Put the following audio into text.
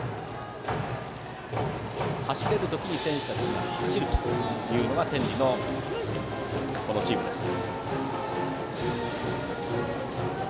走れる時に選手たちが走るというのが天理というチームです。